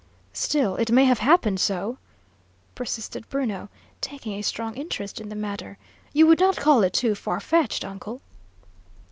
"Still, it may have happened so?" persisted Bruno, taking a strong interest in the matter. "You would not call it too far fetched, uncle?"